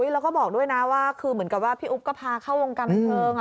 แล้วก็บอกด้วยนะว่าคือเหมือนกับว่าพี่อุ๊บก็พาเข้าวงการบันเทิง